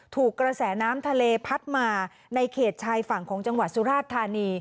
ถูกกระแสน้ำทะเลพัดมาในเขตชายฝั่งของจังหวัดสุราชธานี